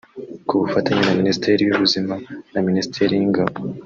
ku bufatanye na Minisiteri y’Ubuzima na Minisiteri y’Ingabo